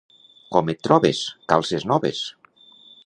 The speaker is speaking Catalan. —Com et trobes? —Calces noves!